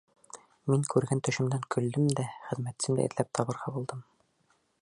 Мин күргән төшөмдән көлдөм дә хеҙмәтсемде эҙләп табырға булдым.